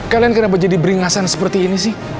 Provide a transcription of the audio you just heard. kalian kenapa jadi beringasan seperti ini sih